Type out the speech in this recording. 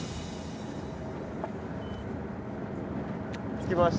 着きました。